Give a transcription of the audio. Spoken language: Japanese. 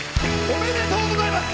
おめでとうございます！